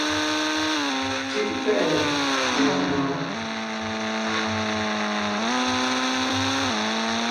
Cú’ pɛ́’ɛ mba mɔ̌ɔn.